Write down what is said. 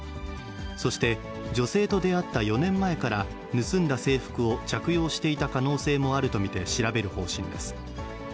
そして、女性と出会った４年前から、盗んだ制服を着用していた可能性もあると見て調べる方針です。